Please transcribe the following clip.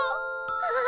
ああ。